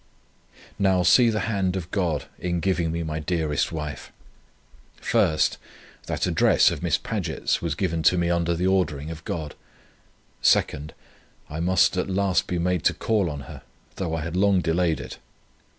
Now see the hand of God in giving me my dearest wife: 1st, that address of Miss Paget's was given to me under the ordering of God. 2nd, I must at last be made to call on her, though I had long delayed it.